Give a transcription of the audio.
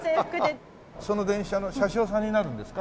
その電車の車掌さんになるんですか？